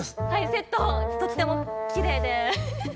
セット、とってもきれいで。